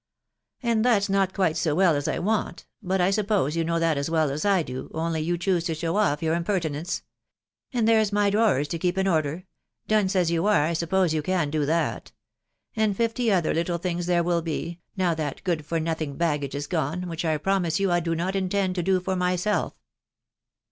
cc And that's not quite so well as I want ; but I suppose you know that as well as I do, only you choose to show off your impertinence. •.• And there's my drawers to keep in order .... dunce as you are, I suppose you can do that ; and fifty other little things there will be, now that good for nothing baggage is gone, which I promise you I do not intend to do for myself."